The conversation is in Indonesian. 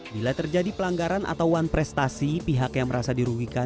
bila terjadi pelanggaran atau one prestasi pihak yang merasa dirugikan